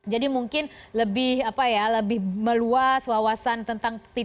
jadi mungkin lebih meluas wawasan tentang pekerjaan anda